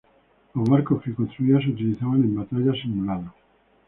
Los barcos que construía se utilizaban en batallas simuladas.